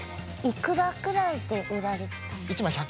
いくらくらいで売られてたんですか？